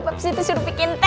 pasti disuruh bikin teh